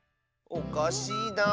おかしいなあ。